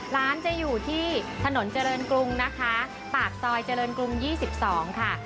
ร้านจะอยู่ที่ถนนเจริญกรุงนะคะปากซอยเจริญกรุง๒๒ค่ะ